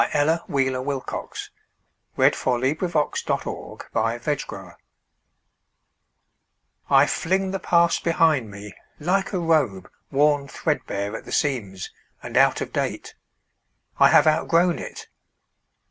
Ella Wheeler Wilcox The Past I FLING the past behind me, like a robe Worn threadbare at the seams, and out of date. I have outgrown it.